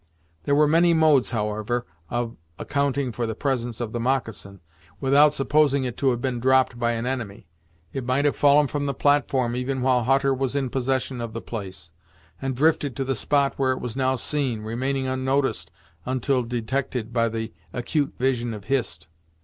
There were many modes, however, of accounting for the presence of the moccasin, without supposing it to have been dropped by an enemy. It might have fallen from the platform, even while Hutter was in possession of the place, and drifted to the spot where it was now seen, remaining unnoticed until detected by the acute vision of Hist.